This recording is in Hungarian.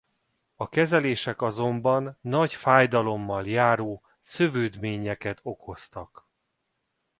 A kezelések azonban nagy fájdalommal járó szövődményeket okoztak.